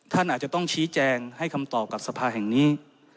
ท่านอาจจะต้องชี้แจงให้คำตอบกับสภาแห่งนี้